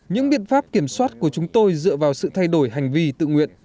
những biện pháp kiểm soát của chúng tôi dựa vào sự thay đổi hành vi tự nguyện